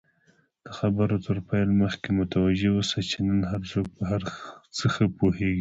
د خبرو تر پیل مخکی متوجه اوسه، چی نن هرڅوک په هرڅه ښه پوهیږي!